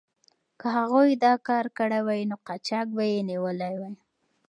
که هغوی دا کار کړی وای، نو قاچاق به یې نیولی وای.